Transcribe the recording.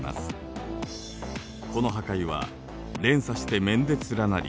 この破壊は連鎖して面で連なり